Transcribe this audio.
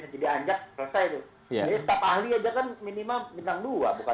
staf ahli saja kan minimal bintang dua